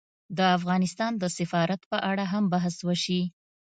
د افغانستان د سفارت په اړه هم بحث وشي